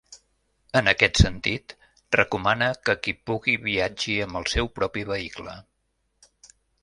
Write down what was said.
En aquest sentit, recomana que qui pugui viatgi amb el seu propi vehicle.